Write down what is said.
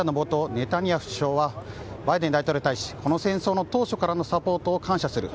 ネタニヤフ首相はバイデン大統領に対しこの戦争の当初からのサポートを感謝する。